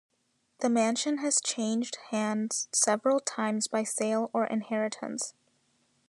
The mansion has changed hands several times by sale or inheritance.